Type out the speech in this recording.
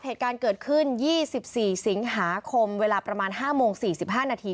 เหตุการณ์เกิดขึ้นยี่สิบสี่สิงหาคมเวลาประมาณห้าโมงสี่สิบห้านาที